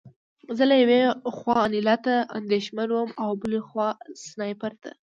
زه له یوې خوا انیلا ته اندېښمن وم او بل خوا سنایپر ته